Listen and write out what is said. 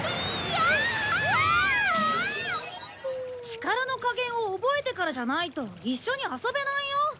力の加減を覚えてからじゃないと一緒に遊べないよ。